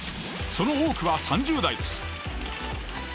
その多くは３０代です。